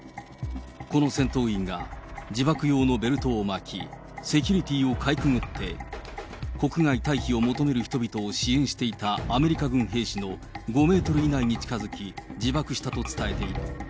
この戦闘員が自爆用のベルトを巻き、セキュリティーをかいくぐって、国外退避を求める人々を支援していたアメリカ軍兵士の５メートル以内に近づき、自爆したと伝えている。